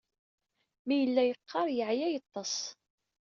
Mi yella yeqqar, yeɛya, yeḍḍes.